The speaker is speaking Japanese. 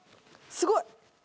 すごい。